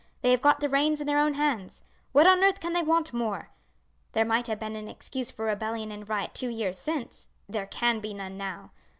They have got the reins in their own hands. What on earth can they want more? There might have been an excuse for rebellion and riot two years since there can be none now.